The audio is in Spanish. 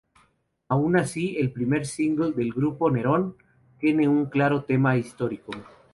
Aun así el primer single del grupo, "Nerón" tiene un claro tema histórico.